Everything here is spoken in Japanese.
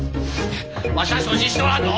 わしは承知しとらんぞ！